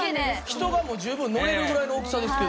人が十分乗れるぐらいの大きさですけど。